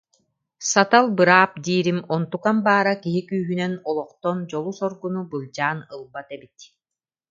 Сатал быраап диирим, онтукам баара киһи күүһүнэн олохтон дьолу-соргуну былдьаан ылбат эбит.